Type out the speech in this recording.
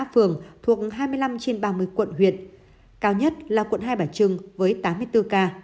ba phường thuộc hai mươi năm trên ba mươi quận huyện cao nhất là quận hai bà trưng với tám mươi bốn ca